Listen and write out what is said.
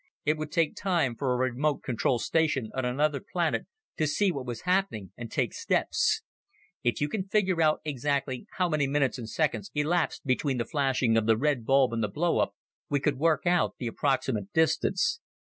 It would take time for a remote control station on another planet to see what was happening and take steps. If you can figure out exactly how many minutes and seconds elapsed between the flashing of the red bulb and the blowup, we could work out the approximate distance."